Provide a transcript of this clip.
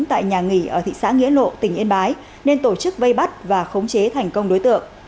tại nhà nghỉ ở thị xã nghĩa lộ tỉnh yên bái nên tổ chức vây bắt và khống chế thành công đối tượng